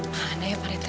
mana ya pak rete